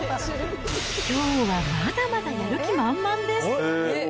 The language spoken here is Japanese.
きょうはまだまだやる気満々です。